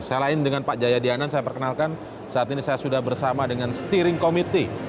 saya lain dengan pak jaya dianan saya perkenalkan saat ini saya sudah bersama dengan steering committee